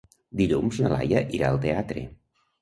Dilluns na Laia irà al teatre.